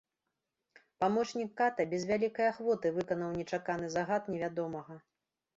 Памочнік ката без вялікай ахвоты выканаў нечаканы загад невядомага.